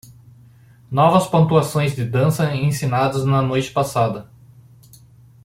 Novas pontuações de dança ensinadas na noite passada